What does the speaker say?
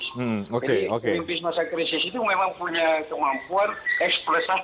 jadi pemimpin di masa krisis itu memang punya kemampuan x plus satu kalau perlu x plus dua dan seterusnya